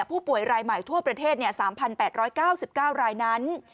ผู้ป่วยรายใหม่ทั่วประเทศ๓๘๙๙รายนั้น